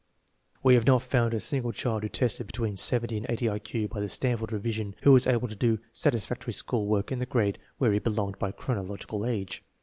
We have not found a single child who tested between 70 and 80 I Q by the Stanford revision who was able to do satisfactory school work in the grade where he belonged by chronological age.